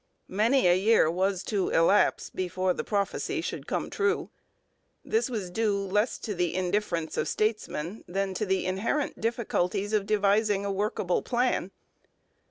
Many a year was to elapse before the prophecy should come true. This was due less to the indifference of statesmen than to the inherent difficulties of devising a workable plan.